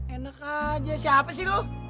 enak aja siapa sih lo